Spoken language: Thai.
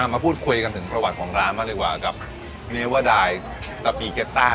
มาพูดคุยกันถึงประวัติของร้านบ้างดีกว่ากับเนเวอร์ดายสปีเก็ต้า